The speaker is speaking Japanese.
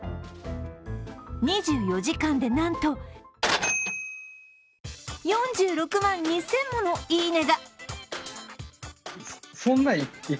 ２４時間でなんと４６万２０００ものいいねが！